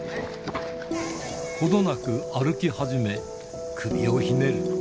ほどなく歩き始め、首をひねる。